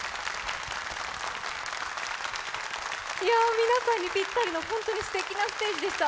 皆さんにぴったりのすてきなステージでした。